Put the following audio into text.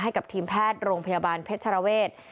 ให้กับทีมแพทย์โรงพยาบาลเพชรเวศ